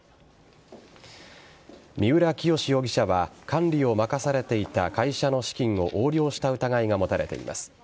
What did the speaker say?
三浦清志容疑者は管理を任されていた会社の資金を横領した疑いが持たれています。